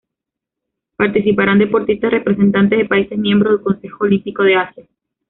Participarán deportistas representantes de países miembros del "Consejo Olímpico de Asia".